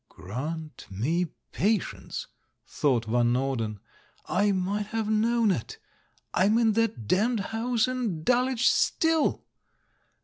"Grant me patience!" thought Van Norden; "I might have known it — I'm in that damned house in Dulwich still!"